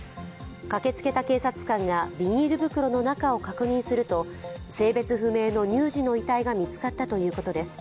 駆けつけた警察官がビニール袋の中を確認すると性別不明の乳児の遺体が見つかったということです。